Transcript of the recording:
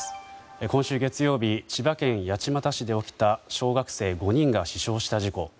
今週月曜日千葉県八街市で起きた小学生５人が死傷した事故。